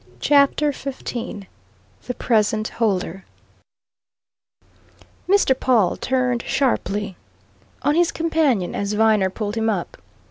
CHAPTER XV THE PRESENT HOLDER Mr. Pawle turned sharply on his companion as Viner pulled him up.